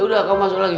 ya udah kamu masuk lagi